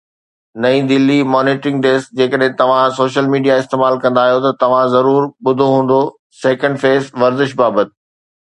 نئين Delhi monitoring desk جيڪڏهن توهان سوشل ميڊيا استعمال ڪندا آهيو ته توهان ضرور ٻڌو هوندو سيڪنڊ فيس ورزش بابت